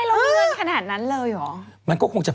คุณหมอโดนกระช่าคุณหมอโดนกระช่า